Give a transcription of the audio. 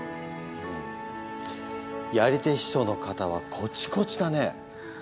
やり手秘書の肩はコチコチだね！